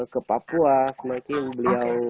ke papua semakin beliau